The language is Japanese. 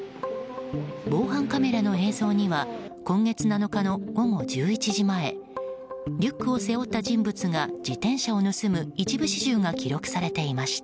防犯カメラの映像には今月７日の午後１１時前リュックを背負った人物が自転車を盗む一部始終が記録されていました。